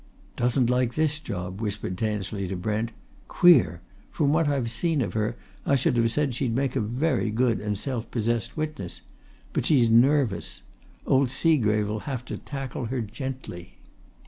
"Doesn't like this job!" whispered Tansley to Brent. "Queer! From what bit I've seen of her, I should have said she'd make a very good and self possessed witness. But she's nervous! Old Seagrave'll have to tackle her gently."